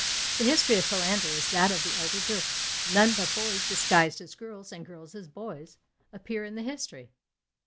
The history of Philander is that of the elder D'Urfé. None but boys disguised as girls, and girls as boys, appear in the history.